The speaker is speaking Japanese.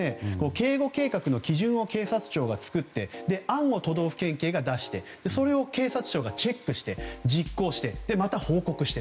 警護計画の基準を警察庁が作って案を都道府県警が出してそれを警察庁がチェックして実行して、また報告して。